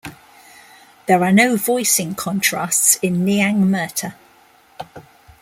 There are no voicing contrasts in Nyangmurta.